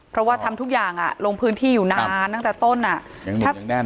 เพราะว่าทำทุกอย่างอ่ะลงพื้นที่อยู่นานตั้งแต่ต้นอ่ะอย่างหนุ่มอย่างแน่น